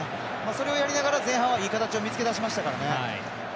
それをやりながら前半は見つけだしましたからね。